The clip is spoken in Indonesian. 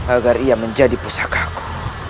agar ia menjadi pusakaku